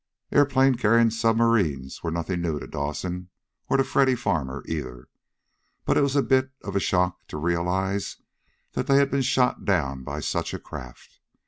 Airplane carrying submarines were nothing new to Dawson, or to Freddy Farmer, either. But it was a bit of a shock to realize that they had been shot down by such a craft.